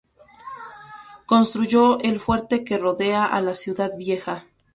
Construyó el fuerte que rodea a la ciudad vieja.